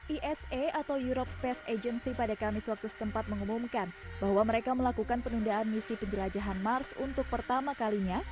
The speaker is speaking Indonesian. esa atau europe space agency pada kamis waktu setempat mengumumkan bahwa mereka melakukan penundaan misi penjelajahan mars untuk pertama kalinya